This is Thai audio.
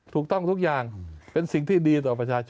ถูกต้องทุกอย่างเป็นสิ่งที่ดีต่อประชาชน